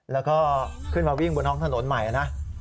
แล้วก็ขึ้นมาวิ่งบนท้องถนนใหม่นะ